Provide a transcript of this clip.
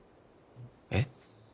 えっ？